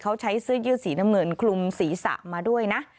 เขาใช้เสื้อยืดสีน้ำเงินคลุมศีรษะมาด้วยนะ